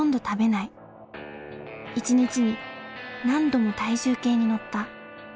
一日に何度も体重計に乗った。